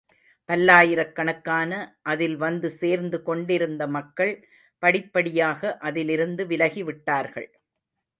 பல்லாயிரக்கணக்காக அதில் வந்து சேர்ந்து கொண்டிருந்த மக்கள் படிப்படியாக அதிலிருந்து விலகிவிட்டார்கள்.